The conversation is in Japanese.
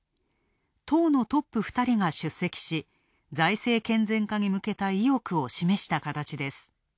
党のトップ２人が出席し、財政健全化に向けた意欲を示したかたちです。